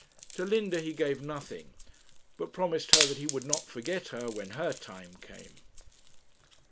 To Linda he gave nothing, but promised her that he would not forget her when her time came.